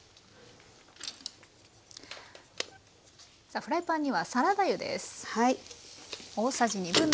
さあフライパンにはサラダ油です。